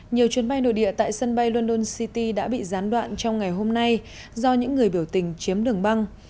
nhiều chuyến bay nội địa tại sân bay london city đã bị gián đoạn trong ngày hôm nay do những người biểu tình chiếm đường băng